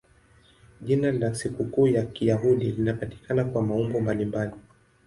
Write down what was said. Jina la sikukuu ya Kiyahudi linapatikana kwa maumbo mbalimbali.